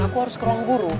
aku harus ke ruang guru